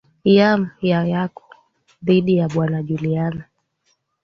yam ya yako dhiki ya bwana julian